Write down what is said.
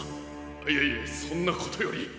いやいやそんなことより。